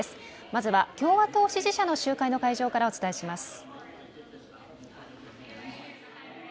まずは共和党支持者の集会の会場からお伝えします。